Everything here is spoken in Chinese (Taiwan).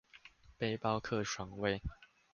背包客床位